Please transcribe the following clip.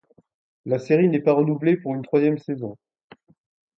La série n'est pas renouvelée pour une troisième saison.